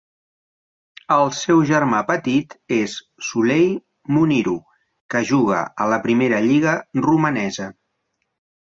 El seu germà petit és Sulley Muniru, que juga a la primera lliga romanesa.